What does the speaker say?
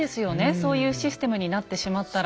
そういうシステムになってしまったら。